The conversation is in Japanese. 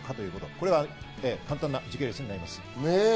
これは簡単な時系列になります。